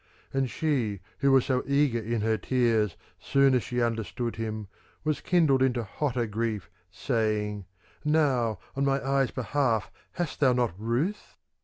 And she who was so eager in her tears, soon as she understood him was kindled into hotter grief, saying :' Now, on my eyes' behalf, hast thou not ruth